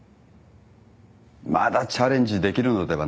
まだチャレンジできるのではないですか。